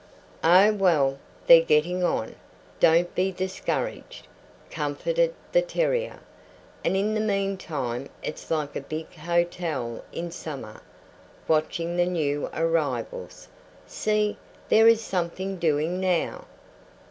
"Oh, well, they're getting on. Don't be discouraged," comforted the terrier. "And in the meantime it's like a big hotel in summer watching the new arrivals. See, there is something doing now."